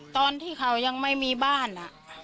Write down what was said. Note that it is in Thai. ตอนที่เขายังไม่มีบ้าน